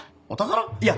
いや。